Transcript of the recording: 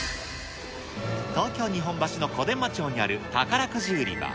東京・日本橋の小伝馬町にある宝くじ売り場。